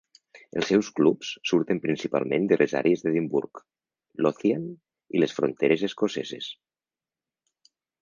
Els seus clubs surten principalment de les àrees d'Edimburg, Lothian i les fronteres escoceses.